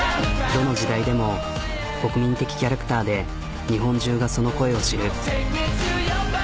どの時代でも国民的キャラクターで日本中がその声を知る。